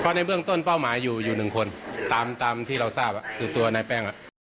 ก็ในเบื้องต้นเป้าหมายอยู่๑คนตามที่เราทราบคือตัวนายแป้ง